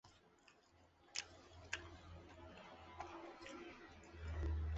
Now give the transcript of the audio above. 爱达荷州参议院是美国爱达荷州议会的上议院。